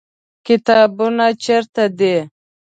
کتابتون چیرته دی؟